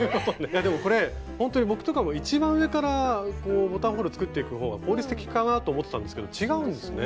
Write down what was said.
でもこれほんとに僕とかも一番上からボタンホール作っていくほうが効率的かなと思ってたんですけど違うんですね。